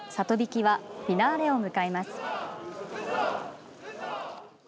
曳きはフィナーレを迎えます。